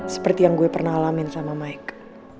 seperti yang gue pernah alamin sama micha